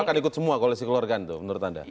itu akan ikut semua koalisi keluargaan menurut anda